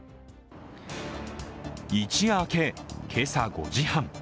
一夜明け、今朝５時半。